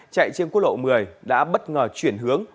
chạy trên quốc lộ một mươi đã bất ngờ chuyển hướng